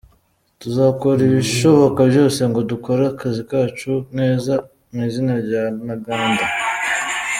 Tuzakora ibishoboka byose ngo dukore akazi kacu neza mu izina rya Ntaganda.